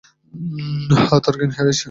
হ্যাঁ, তার জ্ঞান হারিয়েছে।